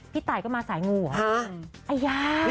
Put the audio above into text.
พี่ตายก็มาสายงูหรอ